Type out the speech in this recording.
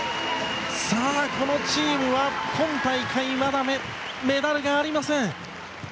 このチームは今大会まだメダルがありません。